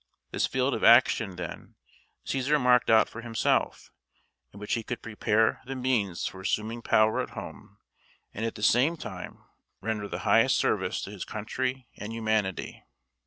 This field of action, then, Cæsar marked out for himself, in which he could prepare the means for assuming power at home, and at the same time render the highest service to his country and humanity.